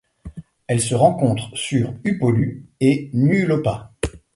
Elle se rencontre sur Upolu et Nu'ulopa.